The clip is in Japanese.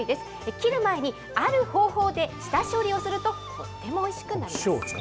切る前にある方法で下処理をすると、とってもおいしくなります。